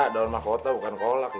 daun mahkota bukan kolak